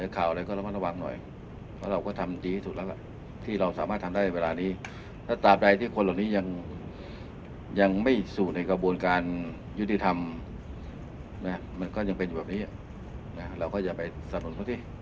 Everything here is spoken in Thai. ความเข้าใจเหล่านี้มันไม่คลาดเคลื่อน